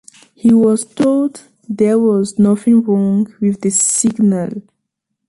He was told there was nothing wrong with the signal.